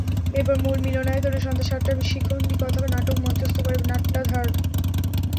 এরপর মূল মিলনায়তনে সন্ধ্যা সাতটায় শিখণ্ডী কথা নাটক মঞ্চস্থ করে নাট্যাধার।